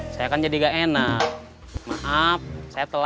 saya push up